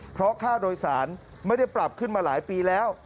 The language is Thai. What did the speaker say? เพราะค่าโดยสารไม่ได้ปรับขึ้นมาหลายปีแล้ว